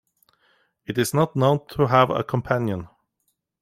It is not known to have a companion.